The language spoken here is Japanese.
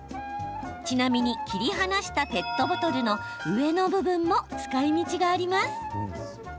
ちなみに切り離したペットボトルの上の部分も使いみちがあります。